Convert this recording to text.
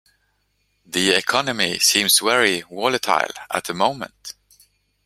The economy seems very volatile at the moment.